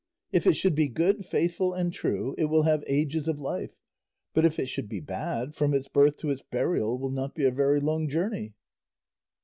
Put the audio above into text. If it should be good, faithful, and true, it will have ages of life; but if it should be bad, from its birth to its burial will not be a very long journey."